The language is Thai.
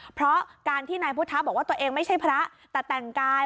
เพราะการที่นายพุทธะบอกว่าตัวเองไม่ใช่พระแต่แต่งกาย